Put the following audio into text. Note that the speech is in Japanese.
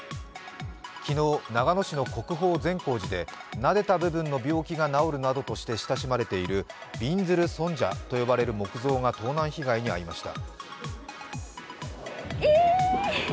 昨日、長野市の国宝・善光寺でなでた部分の病気が治るなどとして親しまれているびんずる尊者と呼ばれる木像が盗難被害に遭いました。